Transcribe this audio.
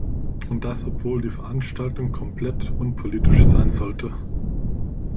Und das obwohl die Veranstaltung komplett unpolitisch sein sollte.